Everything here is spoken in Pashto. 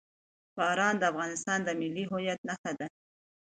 باران د افغانستان د ملي هویت نښه ده.